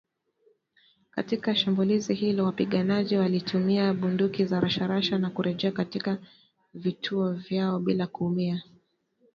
Katika shambulizi hilo wapiganaji walitumia bunduki za rashasha na kurejea katika vituo vyao bila kuumia